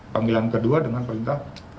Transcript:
panggilan kedua dengan perintah